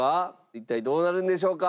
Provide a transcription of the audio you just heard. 一体どうなるんでしょうか？